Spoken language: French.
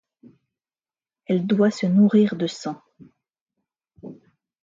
Elle doit se nourrir de sang.